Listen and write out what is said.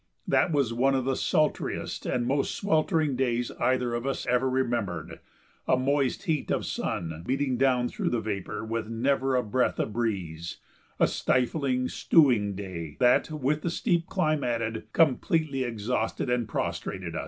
That was one of the sultriest and most sweltering days either of us ever remembered, a moist heat of sun beating down through vapor, with never a breath of breeze a stifling, stewing day that, with the steep climb added, completely exhausted and prostrated us.